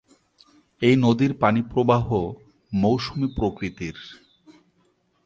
এই নদীর পানিপ্রবাহ মৌসুমি প্রকৃতির।